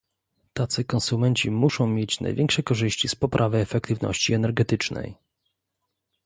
Tacy konsumenci muszą mieć największe korzyści z poprawy efektywności energetycznej